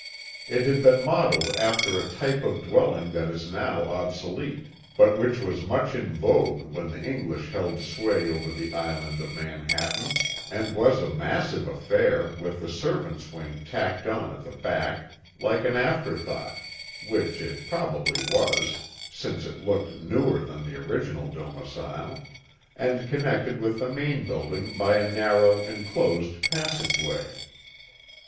It had been modeled after a type of dwelling that is now obsolete, but which was much in vogue when the English held sway over the Island of Manhattan, and was a massive affair with the servants' wing tacked on at the back like an after thought (which it probably was, since it looked newer than the original domicile), and connected with the main building by a narrow enclosed passageway.